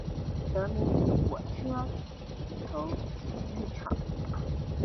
得名于火车头体育场。